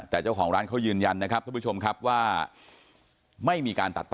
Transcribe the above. แต่เจ้าของร้านเขายืนยันไม่มีการตัดต่อ